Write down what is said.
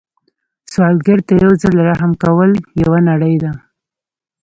سوالګر ته یو ځل رحم کول یوه نړۍ ده